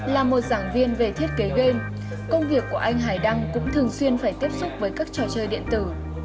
là một giảng viên về thiết kế game công việc của anh hải đăng cũng thường xuyên phải tiếp xúc với các trò chơi điện tử